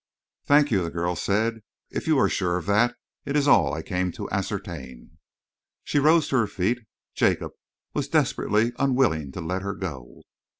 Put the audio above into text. "Thank you," the girl said. "If you are sure of that it is all I came to ascertain." She rose to her feet. Jacob was desperately unwilling to let her go.